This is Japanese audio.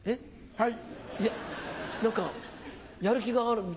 はい。